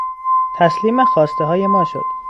تسلیم خواستههای ما شد.